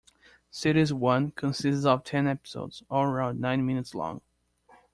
Series one consists of ten episodes all around nine minutes long.